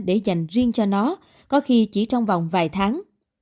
để dành riêng cho nó có khi chỉ trong vòng vài tháng